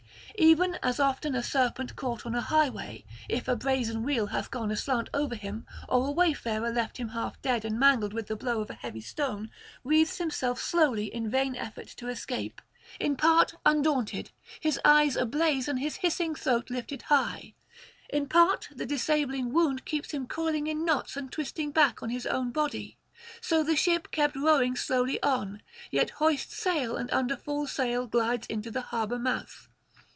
Even as often a serpent caught on a highway, if a brazen wheel hath gone aslant over him or a wayfarer left him half dead and mangled with the blow of a heavy stone, wreathes himself slowly in vain effort to escape, in part undaunted, his eyes ablaze and his hissing throat lifted high; in part the disabling wound keeps him coiling in knots and twisting back on his own body; so the ship kept rowing slowly on, yet hoists sail and under full sail glides into the harbour mouth.